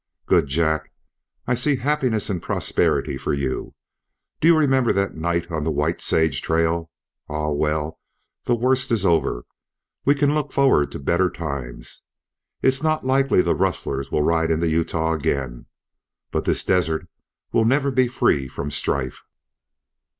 "Good! Jack, I see happiness and prosperity for you. Do you remember that night on the White Sage trail? Ah! Well, the worst is over. We can look forward to better times. It's not likely the rustlers will ride into Utah again. But this desert will never be free from strife."